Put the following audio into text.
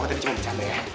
aku tadi cuma bercanda ya